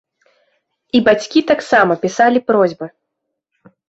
І бацькі таксама пісалі просьбы.